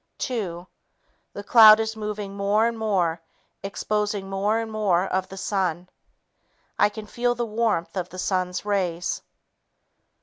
Two ... The cloud is moving more and more, exposing more and more of the sun. I can feel the warmth of the sun's rays.